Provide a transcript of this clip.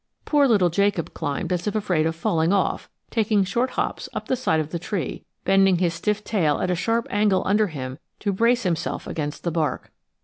Poor little Jacob climbed as if afraid of falling off, taking short hops up the side of the tree, bending his stiff tail at a sharp angle under him to brace himself against the bark.